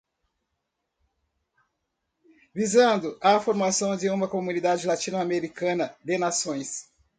visando à formação de uma comunidade latino-americana de nações.